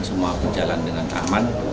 semua berjalan dengan aman